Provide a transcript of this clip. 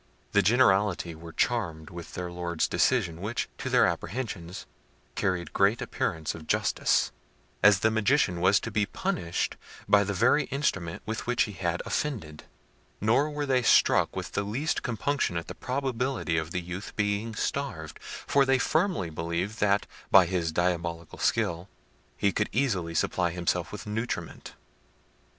The generality were charmed with their lord's decision, which, to their apprehensions, carried great appearance of justice, as the Magician was to be punished by the very instrument with which he had offended: nor were they struck with the least compunction at the probability of the youth being starved, for they firmly believed that, by his diabolic skill, he could easily supply himself with nutriment.